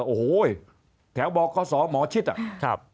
โอ้โหแถวบอกข้อสอหมอชิดอะ